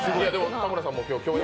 田村さんも共演。